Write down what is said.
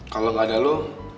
kalau gak ada lo